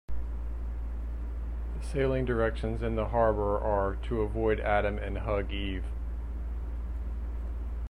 The sailing directions in the harbour are "to avoid Adam and hug Eve".